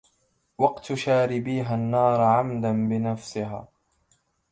وقت شاربيها النار عمدا بنفسها